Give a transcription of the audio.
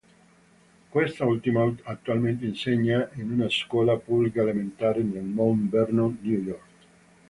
Quest'ultima attualmente insegna in una scuola pubblica elementare nel Mount Vernon, New York.